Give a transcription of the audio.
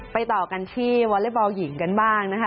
ต่อกันที่วอเล็กบอลหญิงกันบ้างนะคะ